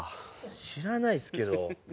知らないですけど。